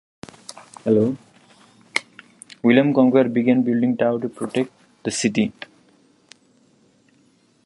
William the Conqueror began building the Tower to protect the city.